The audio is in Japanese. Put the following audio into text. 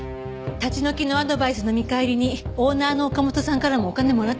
立ち退きのアドバイスの見返りにオーナーの岡本さんからもお金もらってたんだって？